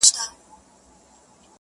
د څپو د زور یې نه ول مړوندونه -